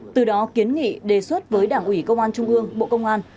từ đó kiến nghị đề xuất với đảng ủy công an trung ương bộ công an